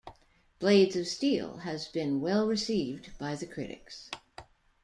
Blades of Steel has been well received by critics.